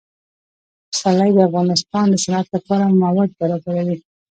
پسرلی د افغانستان د صنعت لپاره مواد برابروي.